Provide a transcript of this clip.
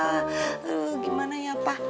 aduh gimana ya pa